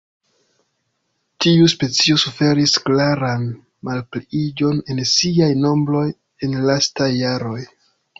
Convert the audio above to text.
Tiu specio suferis klaran malpliiĝon en siaj nombroj en lastaj jaroj.